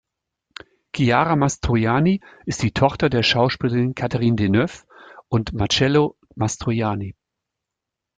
Chiara Mastroianni ist die Tochter der Schauspieler Catherine Deneuve und Marcello Mastroianni.